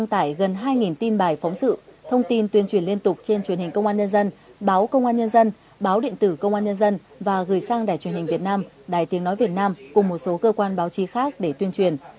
thông tin tuyên truyền liên tục trên truyền hình công an nhân dân báo công an nhân dân báo điện tử công an nhân dân và gửi sang đài truyền hình việt nam đài tiếng nói việt nam cùng một số cơ quan báo chí khác để tuyên truyền